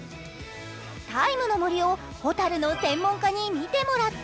「ＴＩＭＥ，の森」をほたるの専門家に見てもらった。